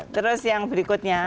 terus yang berikutnya